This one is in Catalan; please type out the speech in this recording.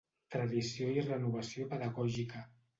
Tradició i renovació pedagògica.